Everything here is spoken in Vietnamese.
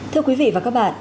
thưa quý vị và các bạn